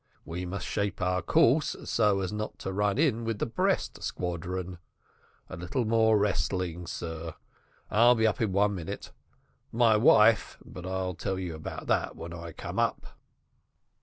We must shape our course so as not to run in with the Brest squadron. A little more westing, sir. I'll be up in one minute. My wife but I'll tell you about that when I come up.